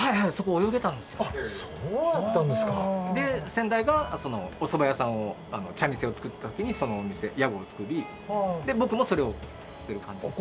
先代がおそば屋さんを茶店を作った時にそのお店屋号を作りで僕もそれをという感じですかね。